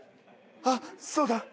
あっそうだ。